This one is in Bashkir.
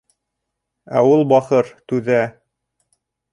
Ә ул, бахыр... түҙә...